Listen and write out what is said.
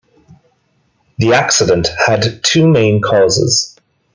The accident had two main causes.